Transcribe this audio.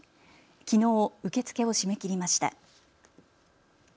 きのう受け付けを締め切りました。